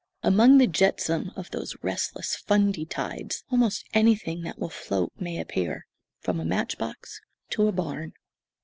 Among the jetsam of those restless Fundy tides almost anything that will float may appear, from a matchbox to a barn.